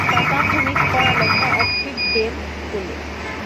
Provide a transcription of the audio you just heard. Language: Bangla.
তার প্রাথমিক লেখাপড়া একটি ডেম স্কুলে।